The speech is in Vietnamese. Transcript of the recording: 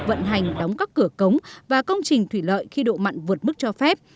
vận hành đóng các cửa cống và công trình thủy lợi khi độ mặn vượt mức cho phép